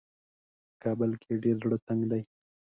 په کابل کې یې ډېر زړه تنګ دی.